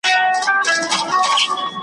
عمرونه وسول په تیارو کي دي رواني جرګې .